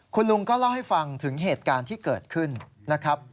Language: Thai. คุณลุงก็เล่าให้ฟังถึงเหตุการณ์ที่เกิดขึ้นนะครับ